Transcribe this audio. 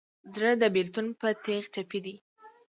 زړه د بېلتون په تیغ ټپي دی.